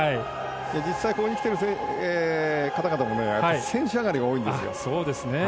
実際、ここに来てる方々も選手上がりが多いんですよ。